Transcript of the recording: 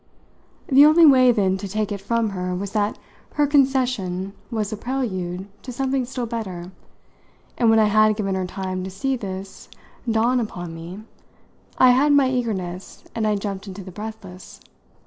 The only way then to take it from her was that her concession was a prelude to something still better; and when I had given her time to see this dawn upon me I had my eagerness and I jumped into the breathless.